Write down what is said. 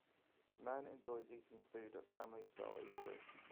Man enjoys food at family style eatery